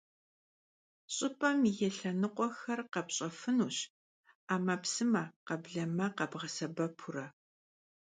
Ş'ıp'em yi lhenıkhuexer khepş'efınuş 'emepsıme — khebleme khebğesebepure.